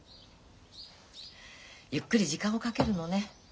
ゆっくり時間をかけるのね。